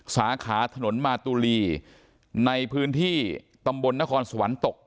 สาขาถนนมาตุลีในพื้นที่ตำบลนครสวรรค์ตก